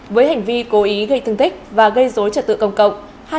với hành vi cố ý gây thương tích và gây dối trật tự công cộng